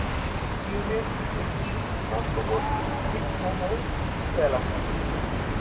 ইউনিয়নটি একটি সীমান্তবর্তী ছিটমহল বিশিষ্ট এলাকা।